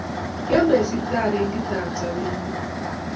Kiana sitaring'itab sobenyu